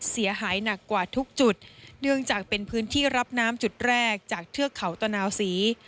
เสียหายหนักกว่าทุกจุดเนื่องจากเป็นพื้นที่รับน้ำจุดแรกจากเทือกเขาตะนาวศรี